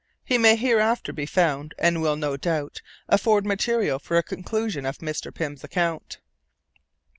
He may hereafter be found, and will, no doubt, afford material for a conclusion of Mr. Pym's account.